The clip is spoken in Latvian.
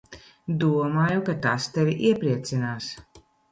Domāju, ka tas tevi iepriecinās.